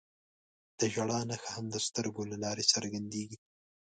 د ژړا نښه هم د سترګو له لارې څرګندېږي